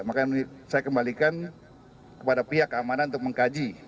makanya saya kembalikan kepada pihak keamanan untuk mengkaji